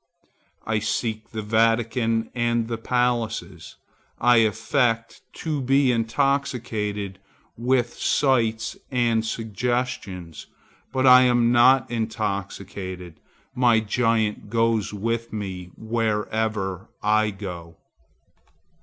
I seek the Vatican and the palaces. I affect to be intoxicated with sights and suggestions, but I am not intoxicated. My giant goes with me wherever I go.